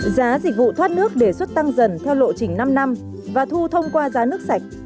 giá dịch vụ thoát nước đề xuất tăng dần theo lộ trình năm năm và thu thông qua giá nước sạch